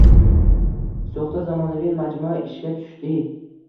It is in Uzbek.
So‘xda zamonaviy majmua ishga tushding